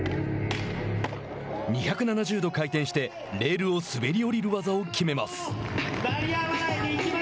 ２７０度回転してレールを滑りおりる技を決めます。